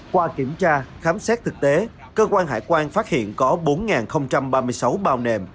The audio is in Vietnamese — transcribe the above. qua kiểm tra khám xét thực tế cơ quan hải quan phát hiện có bốn ba mươi sáu bao nềm